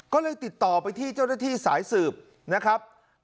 ก็เลยติดต่อไปที่เจ้าหน้าที่สายสืบนะครับ